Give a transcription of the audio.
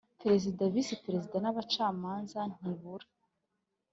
Perezida, Visi Perezida n ‘abacamanza ntibura